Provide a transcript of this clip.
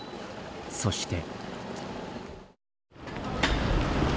そして。